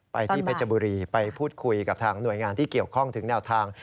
ไปที่เพชรบุรีไปพูดคุยกับทางหน่วยงานที่เกี่ยวข้องถึงแนวทาง